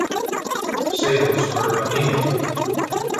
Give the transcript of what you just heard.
Sales were anemic.